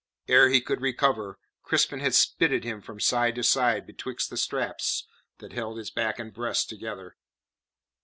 Ere he could recover, Crispin had spitted him from side to side betwixt the straps that held his back and breast together.